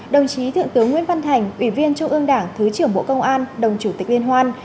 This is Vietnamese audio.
đồng chí thượng tướng nguyễn văn thành ủy viên trung ương đảng thứ trưởng bộ công an đồng chủ tịch liên hoan